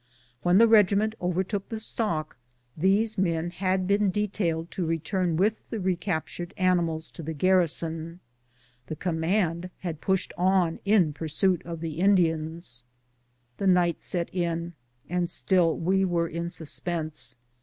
When the regiment overtook the stock these men had been A DAY OF ANXIETY AND TERROR. 165 detailed to return with the recaptured animals to the garrison ; the command had pushed on in pursuit of the Indians. The niglit set in, and still we were in suspense.